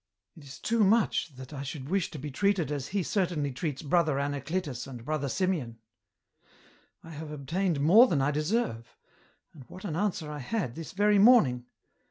It is too much that I should wish to be treated as He certainly treats Brother Anacletus and Brother Simeon." " I have obtained more than I deserve. And what an answer I had, this very morning